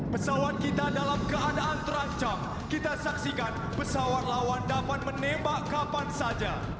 pesawat kita dalam keadaan terancam kita saksikan pesawat lawan dapat menembak kapan saja